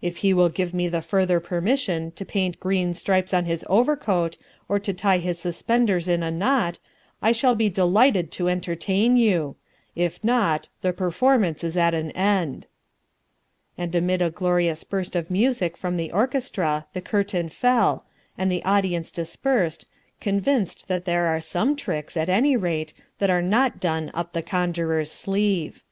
If he will give me the further permission to paint green stripes on his overcoat, or to tie his suspenders in a knot, I shall be delighted to entertain you. If not, the performance is at an end." And amid a glorious burst of music from the orchestra the curtain fell, and the audience dispersed, convinced that there are some tricks, at any rate, that are not done up the conjurer's sleeve.